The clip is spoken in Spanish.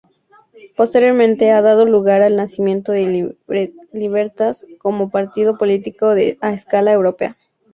Posteriormente ha dado lugar al nacimiento de Libertas como partido político a escala europea.